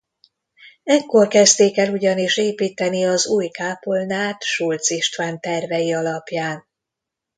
Ekkor kezdték el ugyanis építeni az új kápolnát Schultz István tervei alapján.